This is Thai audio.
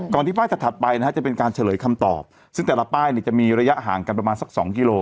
ที่ป้ายถัดไปนะฮะจะเป็นการเฉลยคำตอบซึ่งแต่ละป้ายเนี่ยจะมีระยะห่างกันประมาณสัก๒กิโล